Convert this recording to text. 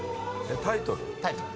タイトル？